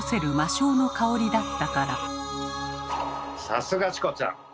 さすがチコちゃん。